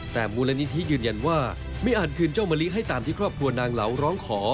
แต่มูลนิธิยืนยันว่าไม่อาจคืนเจ้ามะลิให้ตามที่ครอบครัวนางเหลาร้องขอ